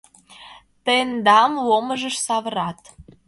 Тендам ломыжыш савырат.